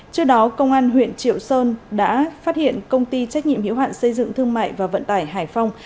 trước đó công an huyện triệu sơn đã phát hiện công ty trách nhiệm hiệu hạn xây dựng thương mại và vận tải hải phòng